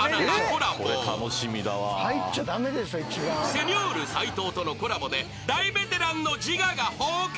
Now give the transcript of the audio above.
［セニョール斎藤とのコラボで大ベテランの自我が崩壊？］